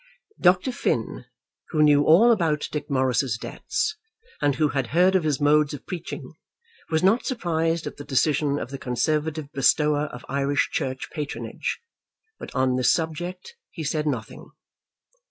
Dr. Finn, who knew all about Dick Morris's debts, and who had heard of his modes of preaching, was not surprised at the decision of the Conservative bestower of Irish Church patronage; but on this subject he said nothing.